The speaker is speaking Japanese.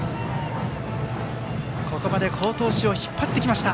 ここまで好投手を引っ張ってきました